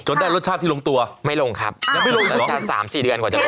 ได้รสชาติที่ลงตัวไม่ลงครับยังไม่ลงแต่รสชาติสามสี่เดือนกว่าจะ